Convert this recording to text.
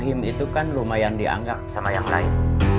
him itu kan lumayan dianggap sama yang lain